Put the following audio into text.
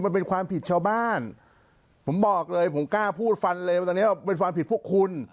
มันเป็นความผิดชาวบ้านผมบอกเลยผมกล้าพูดฟันเลยว่าตอนนี้เป็นความผิดพวกคุณ